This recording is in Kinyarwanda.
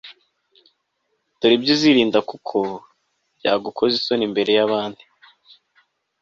dore ibyo uzirinda kuko byagukoza isoni imbere y'abandi